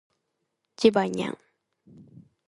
ジバニャン